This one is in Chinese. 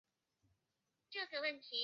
东南角则有正式意大利风格的花园。